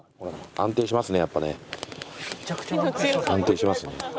安定しますね。